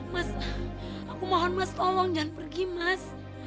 mas aku mohon mas tolong jangan pergi mas